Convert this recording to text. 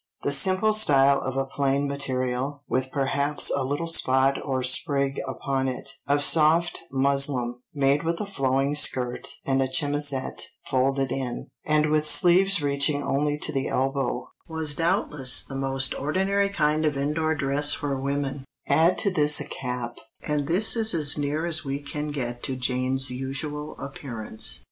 The simple style of a plain material, with perhaps a little spot or sprig upon it, of soft muslin, made with a flowing skirt, and a chemisette folded in, and with sleeves reaching only to the elbow, was doubtless the most ordinary kind of indoor dress for women; add to this a cap, and this is as near as we can get to Jane's usual appearance.